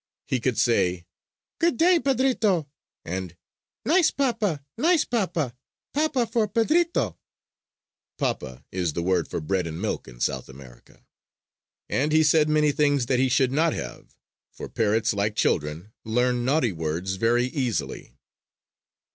He could say: "Good day, Pedrito!" and "nice papa, nice papa"; "papa for Pedrito!" "Papa" is the word for bread and milk in South America. And he said many things that he should not have; for parrots, like children, learn naughty words very easily.